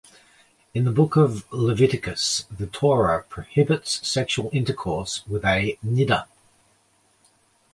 In the Book of Leviticus, the Torah prohibits sexual intercourse with a "niddah".